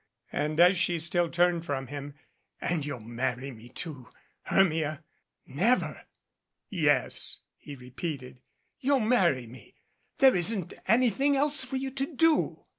'And as she still turned from him : "And you'll marry me, too, Hermia." "Never !" "Yes," he repeated, "you'll marry me. There isn't anything else for you to do."